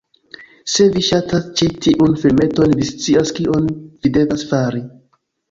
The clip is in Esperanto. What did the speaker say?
Se vi ŝatas ĉi tiun filmeton, vi scias kion vi devas fari: